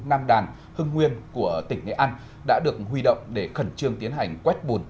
nam đàn hưng nguyên của tỉnh nghệ an đã được huy động để khẩn trương tiến hành quét bùn